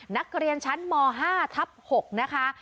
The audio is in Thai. นักเรียนชั้นม๕ทับ๖นะคะ